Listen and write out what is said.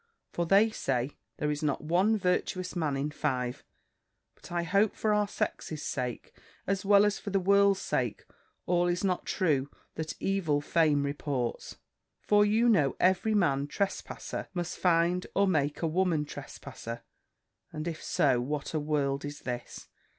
for they say, there is not one virtuous man in five; but I hope, for our sex's sake, as well as for the world's sake, all is not true that evil fame reports; for you know every man trespasser must find or make a woman trespasser! And if so, what a world is this!